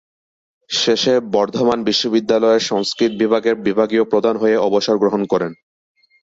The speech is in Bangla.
শেষে বর্ধমান বিশ্ববিদ্যালয়ের সংস্কৃত বিভাগের বিভাগীয় প্রধান হয়ে অবসর গ্রহণ করেন।